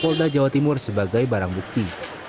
polda jawa timur sebagai barang bukti